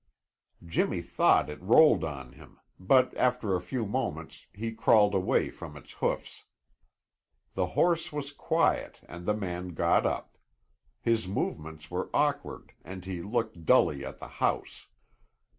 Jimmy thought it rolled on him, but after a few moments he crawled away from its hoofs. The horse was quiet and the man got up. His movements were awkward and he looked dully at the house.